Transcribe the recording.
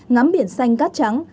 ngắm biển xanh cát trắng